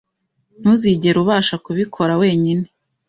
Ntuzigera ubasha kubikora wenyine